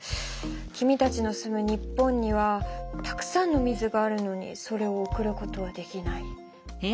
君たちの住む日本にはたくさんの水があるのにそれを送ることはできない。